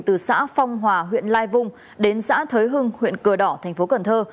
từ xã phong hòa huyện lai vung đến xã thới hưng huyện cờ đỏ tp cần thơ